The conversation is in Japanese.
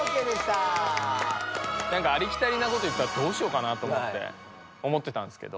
なんかありきたりなこと言ったらどうしようかなと思ってたんですけど。